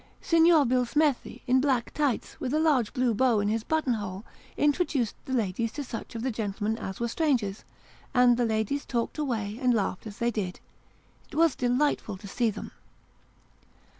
Signor Billsmethi, in black tights, with a large blue bow in his button hole, introduced the ladies to such of the gentlemen as were strangers: and the ladies talked away and laughed they did it was delightful to see them.